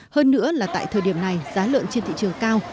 hơn nữa là tại thời điểm này giá lợn trên thị trường cao